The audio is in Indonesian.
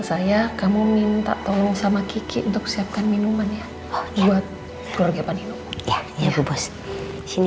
saya kamu minta tolong sama kiki untuk siapkan minuman ya buat keluarga panino ya ya bos sini